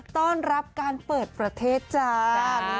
ต้อนรับการเปิดประเทศจ้า